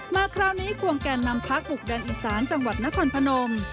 มาคราวนี้ควงแก่นำพักบุกแดนอีสานจังหวัดนครพนม